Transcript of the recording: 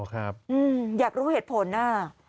อ๋อครับอืมอยากรู้เหตุผลน่ะ